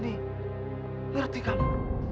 nih ngerti kamu